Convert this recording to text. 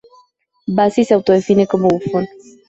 Bassi se autodefine como bufón.